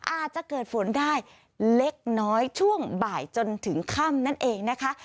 อาจจะเกิดฝนได้เล็กน้อยช่วงบ่ายจนถึงค่ำนั่นเองนะคะ